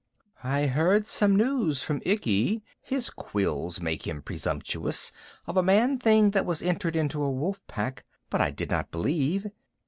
"I heard some news from Ikki (his quills make him presumptuous) of a man thing that was entered into a wolf pack, but I did not believe.